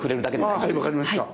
あはい分かりました。